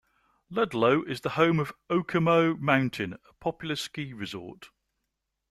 Ludlow is the home of Okemo Mountain, a popular ski resort.